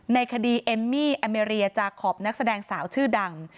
ในคดีเอมมี่แอเมรียจากขอบนักแสดงสาวชื่อดัง